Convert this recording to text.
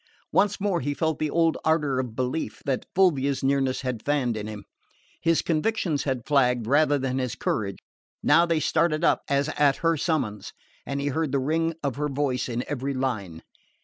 Once more he felt the old ardour of belief that Fulvia's nearness had fanned in him. His convictions had flagged rather than his courage: now they started up as at her summons, and he heard the ring of her voice in every line.